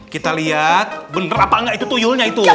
kita lihat bener apa enggak itu toilnya itu